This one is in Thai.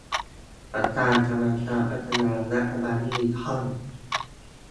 ประธานกรรมการพัฒนารัฐบาลดิจิทัล